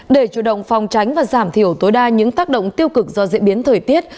để chủ động phòng tránh và giảm thiểu tối đa những tác động tiêu cực do diễn biến thời tiết